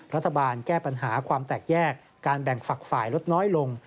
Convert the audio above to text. รัฐบาลแก้ปัญหาความแตกแยกการแบ่งฝักฝ่ายลดน้อยลง